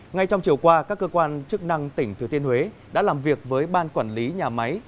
ngay trong chiều qua các cơ quan chức năng tỉnh thừa thiên huế đã làm việc với ban quản lý nhà máy